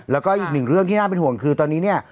แล้วก็อีกหนึ่งเรื่องที่น่าเป็นห่วงคือตอนนี้เนี่ย